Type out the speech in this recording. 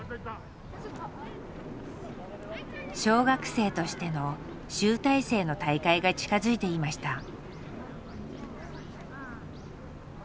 小学生としての集大成の大会が近づいていました。